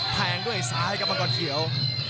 แทงด้วยซ้ายครับมังกรเขียว